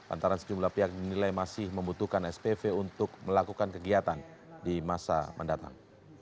antara sejumlah pihak dinilai masih membutuhkan spv untuk melakukan kegiatan di masa mendatang